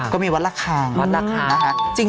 ก็มีวัดละคางวัดละคาง